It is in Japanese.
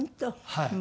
はい。